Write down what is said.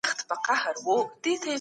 د کور کړکۍ د هوا لپاره خلاصې کړئ.